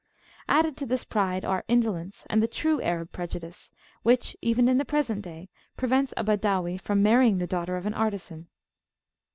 Added to this pride are indolence, and the true Arab prejudice, which, even in the present day, prevents a Badawi from marrying the daughter of an artisan.